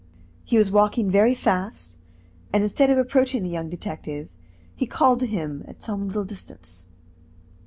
He was walking very fast, and instead of approaching the young detective, he called to him at some little distance.